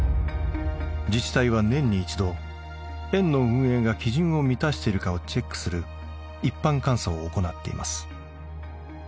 自治体は年に一度園の運営が基準を満たしているかをチェックする一般監査を行っています。